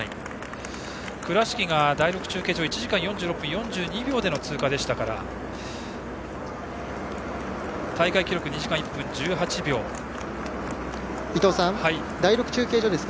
倉敷が第６中継所１時間４６分４２秒での通過でしたから大会記録は２時間１分１８秒です。